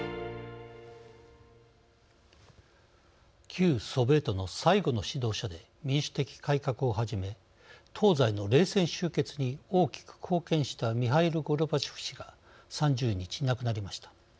旧ソビエトの最後の指導者で民主的改革をはじめ東西の冷戦終結に大きく貢献したミハイル・ゴルバチョフ氏が３０日、亡くなりました。